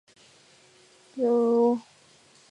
发源在江西省婺源县东北部的五龙山西南麓。